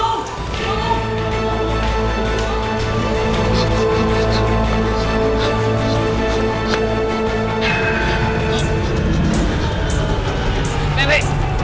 nek saya sudah mandi